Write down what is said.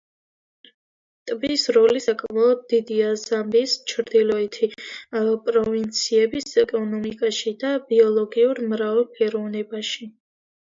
ტბის როლი საკმაოდ დიდია ზამბიის ჩრდილოეთი პროვინციების ეკონომიკაში და ბიოლოგიურ მრავალფეროვნებაში.